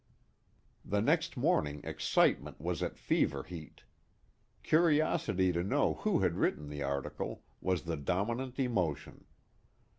The next morning excitement was at fever heat. Curiosity to know who had written the article, was the dominant emotion.